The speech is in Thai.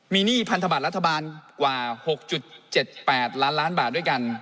มีหนี้พันธบัตรรัฐบาลกว่า๖๗๘ล้านล้านบาทด้วยกัน